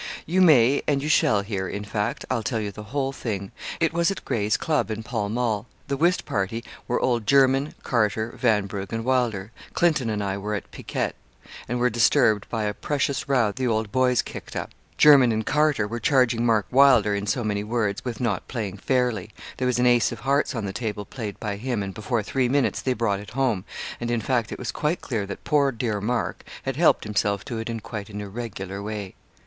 'You may, and you shall hear in fact, I'll tell you the whole thing. It was at Gray's Club, in Pall Mall. The whist party were old Jermyn, Carter, Vanbrugh, and Wylder. Clinton and I were at piquet, and were disturbed by a precious row the old boys kicked up. Jermyn and Carter were charging Mark Wylder, in so many words, with not playing fairly there was an ace of hearts on the table played by him, and before three minutes they brought it home and in fact it was quite clear that poor dear Mark had helped himself to it in quite an irregular way.'